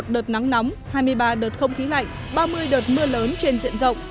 một đợt nắng nóng hai mươi ba đợt không khí lạnh ba mươi đợt mưa lớn trên diện rộng